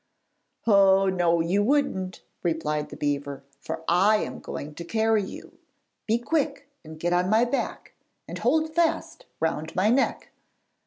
'Oh, no, you wouldn't!' replied the beaver, 'for I am going to carry you. Be quick and get on my back, and hold fast round my neck.'